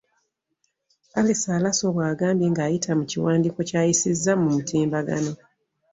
Alice Alaso bw'agambye ng'ayita mu kiwandiiko ky'ayisizza ku mutimbagano.